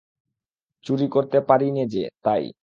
চুরি করতে পারি নে যে তাই।